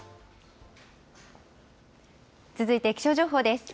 続いて気象情報です。